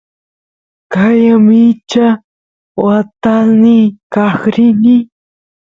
qaya mincha watasniy kaq rin